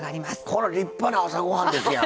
これ立派な朝ごはんですやん。